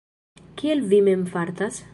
Kiel vi mem fartas?